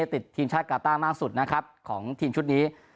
ติดทีมชาติกาต้ามากสุดนะครับของทีมชุดนี้